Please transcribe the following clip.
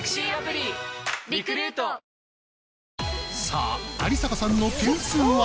さあ有坂さんの点数は？